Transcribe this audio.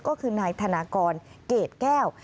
ก็คือนายธนากรเกรดแก้ว